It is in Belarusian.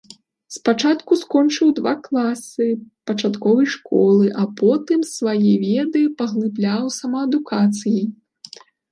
Спачатку скончыў два класы пачатковай школы, а потым свае веды паглыбляў самаадукацыяй.